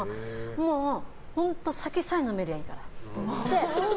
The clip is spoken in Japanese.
もう本当、酒さえ飲めりゃいいからって言って。